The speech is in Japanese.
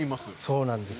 そうなんですよ。